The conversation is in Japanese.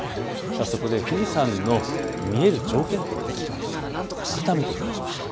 そこで富士山の見える条件というのを改めてお伝えしましょう。